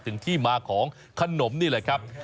ถึงที่มาของขนมนี่แหละครับ